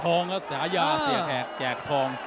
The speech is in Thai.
ตอนนี้มันถึง๓